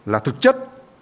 là thực chất